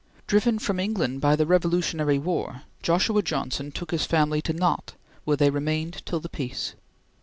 Driven from England by the Revolutionary War, Joshua Johnson took his family to Nantes, where they remained till the peace.